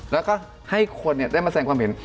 แล้วก็ให้คนได้มาแสงความเห็น